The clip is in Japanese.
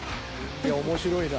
いや面白いな。